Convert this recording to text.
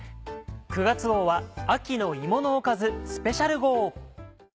９月号は秋の芋のおかずスペシャル号。